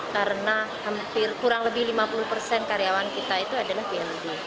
karena hampir kurang lebih lima puluh persen karyawan kita itu adalah bnd